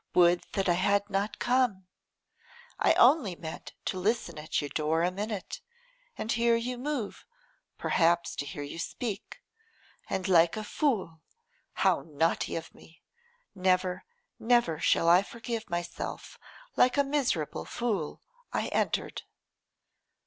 Would that I had not come! I only meant to listen at your door a minute, and hear you move, perhaps to hear you speak, and like a fool, how naughty of me! never, never shall I forgive myself like a miserable fool I entered.